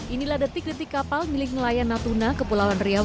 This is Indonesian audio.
inilah detik detik kapal milik nelayan natuna ke pulau andriau